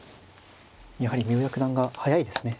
やはり三浦九段が速いですね。